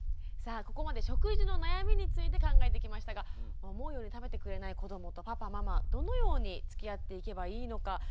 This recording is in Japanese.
さあここまで食事の悩みについて考えてきましたが思うように食べてくれない子どもとパパママどのようにつきあっていけばいいのか